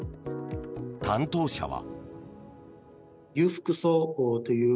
担当者は。